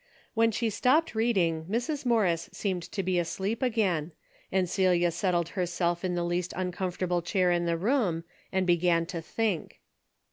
When she stopped reading Mrs. Morris seemed 36 A DAILY RATE. to be asleep again, and Celia settled herself in the least uncomfortable chair in the room, and began to think.